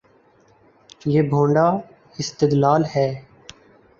یہ بھونڈا استدلال ہے۔